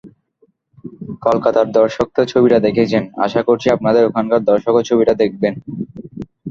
কলকাতার দর্শক তো ছবিটা দেখেছেন, আশা করছি আপনাদের ওখানকার দর্শকও ছবিটা দেখবেন।